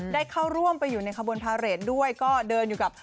ได้เข้าร่วมไปอยู่ในขบวนพาเรทด้วยก็เดินอยู่กับ